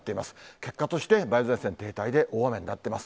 結果として、梅雨前線停滞で大雨になってます。